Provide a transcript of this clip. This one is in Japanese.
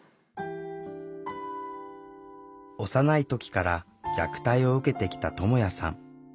幼い時から虐待を受けてきたともやさん。